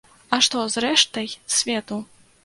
А што з рэштай свету?